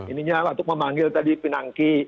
ininya untuk memanggil tadi pinangki